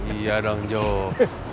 iya dong joe